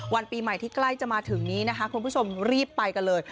ปีใหม่ที่ใกล้จะมาถึงนี้นะคะคุณผู้ชมรีบไปกันเลย